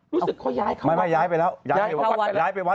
รู้สึกน่ะย้ายไปแล้ว